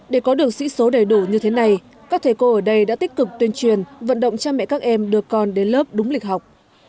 để có được sĩ số đầy đủ như thế này các thầy cô ở đây đã tích cực tuyên truyền vận động cha mẹ các em đưa con đến lớp đúng lịch học